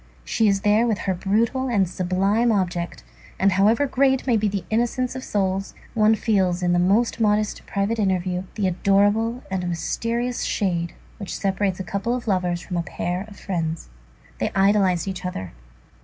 She is there with her brutal and sublime object; and however great may be the innocence of souls, one feels in the most modest private interview, the adorable and mysterious shade which separates a couple of lovers from a pair of friends. They idolized each other.